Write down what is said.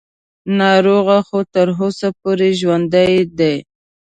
ناروغ خو تر اوسه پورې ژوندی دی.